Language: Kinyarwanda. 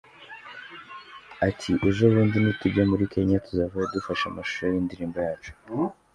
Ati: “Ejobundi nitujya muri Kenya tuzavayo dufashe amashusho y’iyi ndirimbo yacu.